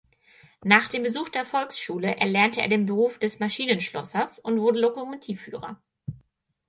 Nach dem Besuch der Volksschule erlernte er den Beruf des Maschinenschlossers und wurde Lokomotivführer.